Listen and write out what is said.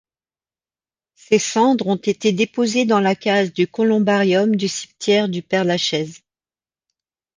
Ses cendres ont été déposées dans la case du columbarium du cimetière du Père-Lachaise.